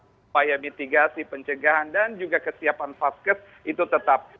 supaya mitigasi pencegahan dan juga kesiapan vaskes itu tetap